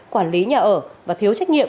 quản lý nhà ở và thiếu trách nhiệm